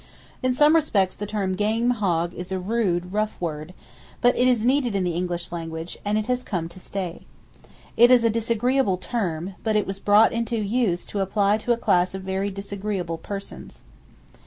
In some respects, the term "game hog" is a rude, rough word; but it is needed in the English language, and it has come to stay. It is a disagreeable term, but it was brought into use to apply to a class of very disagreeable persons.